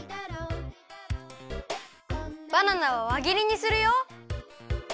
バナナはわぎりにするよ。